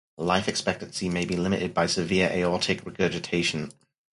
Life expectancy may be limited by severe aortic regurgitation.